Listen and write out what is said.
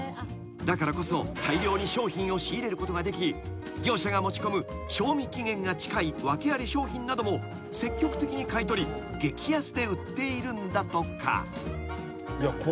［だからこそ大量に商品を仕入れることができ業者が持ち込む賞味期限が近い訳あり商品なども積極的に買い取り激安で売っているんだとか］